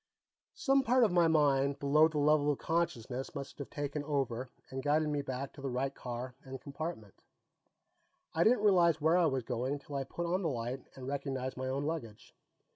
Some part of my mind below the level of consciousness must have taken over and guided me back to the right car and compartment; I didn't realize where I was going till I put on the light and recognized my own luggage.